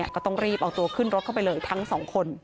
ก็ต้องรีบเอาตัวขึ้นรถเข้าไปเลยทั้งสองคน